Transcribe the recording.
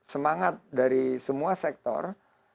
semangat dari semua sektor